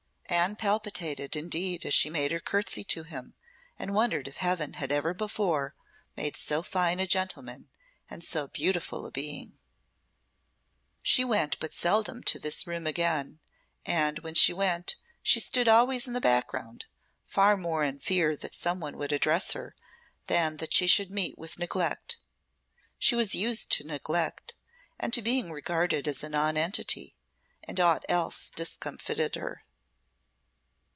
Anne palpitated indeed as she made her curtsey to him, and wondered if Heaven had ever before made so fine a gentleman and so beautiful a being. She went but seldom to this room again, and when she went she stood always in the background, far more in fear that some one would address her than that she should meet with neglect. She was used to neglect, and to being regarded as a nonentity, and aught else discomfited her.